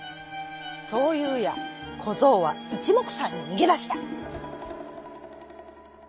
そういうやこぞうはいちもくさんににげだした。